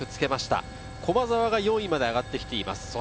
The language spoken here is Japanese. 駒澤が４位まで上がってきています。